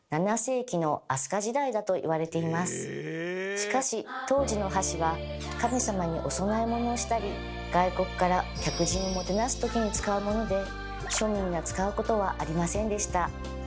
しかし当時の箸は神様にお供え物をしたり外国から客人をもてなす時に使うもので庶民が使うことはありませんでした。